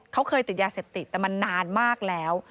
เขาเคยติดยาเสพติดแต่มันนานมากแล้ว